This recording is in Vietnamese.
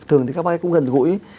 thường thì các bác ấy cũng gần gũi